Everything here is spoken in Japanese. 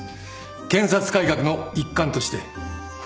検察改革の一環として。